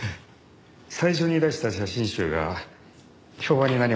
最初に出した写真集が評判になりましてね